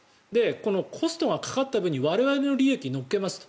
このコストがかかった分に我々の利益を乗っけますと。